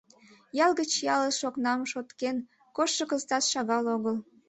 Ял гыч ялыш окнам шолткен коштшо кызытат шагал огыл.